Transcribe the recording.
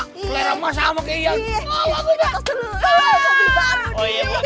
kelera sama kayak iyan